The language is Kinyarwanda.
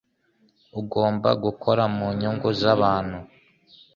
Ugomba gukora mu nyungu zabantu.